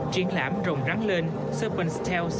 triển lãm rồng rắn lên serpent s tales